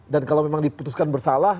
dan kalau memang diputuskan bersalah